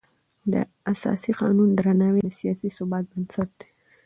د اساسي قانون درناوی د سیاسي ثبات بنسټ دی